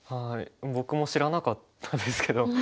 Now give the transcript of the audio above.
僕も知らなかったですけど。